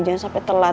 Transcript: jangan sampai telat